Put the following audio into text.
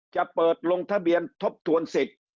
จะเปิดลงทะเบียนทบทวนสิทธิ์